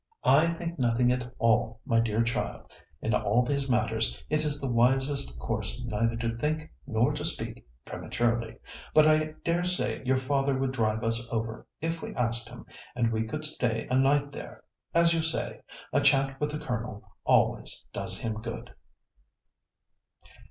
"I think nothing at all, my dear child. In all these matters, it is the wisest course neither to think nor to speak prematurely. But I daresay your father would drive us over, if we asked him, and we could stay a night there. As you say, a chat with the Colonel always does him good."